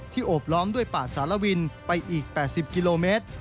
โอบล้อมด้วยป่าสารวินไปอีก๘๐กิโลเมตร